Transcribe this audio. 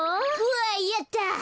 わいやった！